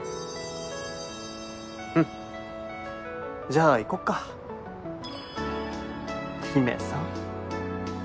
うんじゃあ行こっか陽芽さん